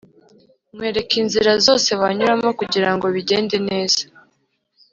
nkwereka inzira zose wanyuramo kugirango bigende neza